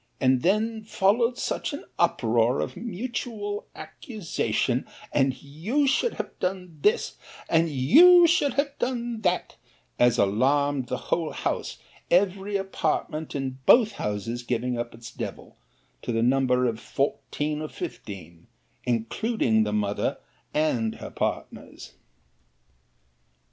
And then followed such an uproar of mutual accusation, and you should have done this, and you have done that, as alarmed the whole house; every apartment in both houses giving up its devil, to the number of fourteen or fifteen, including the mother and her partners.